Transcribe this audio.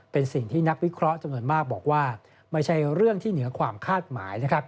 เป็นสิ่งที่นักวิเคราะห์จำนวนมากบอกว่าไม่ใช่เรื่องที่เหนือความคาดหมายนะครับ